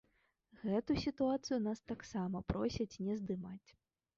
Гэту сітуацыю нас таксама просяць не здымаць.